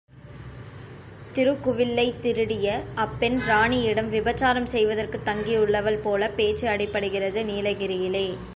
திருகுவில்லை திருடிய அப்பெண் ராணியிடம் விபசாரம் செய்வதற்குத் தங்கியுள்ளவள்போலப் பேச்சு அடிபடுகிறது, நீலகிரியிலே!